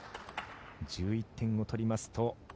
１１点を取りますと